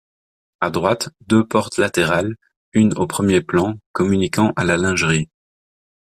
À droite, deux portes latérales, une au premier plan, communiquant à la lingerie.